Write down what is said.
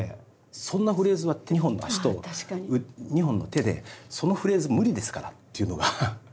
そんなフレーズは２本の足と２本の手でそのフレーズ無理ですからっていうのが。